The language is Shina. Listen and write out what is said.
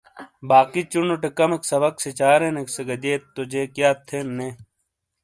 باقی چُونو ٹے کمیک سبق سیچارینیک سے گہ دئیت تو جیک یاد تھین نے ۔